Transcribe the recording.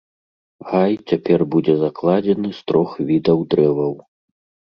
Гай цяпер будзе закладзены з трох відаў дрэваў.